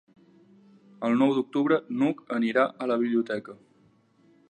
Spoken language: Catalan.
El nou d'octubre n'Hug anirà a la biblioteca.